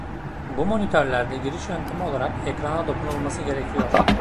Bu monitörlerde giriş yöntemi olarak ekrana dokunulması gerekiyor.